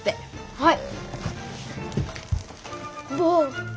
はい！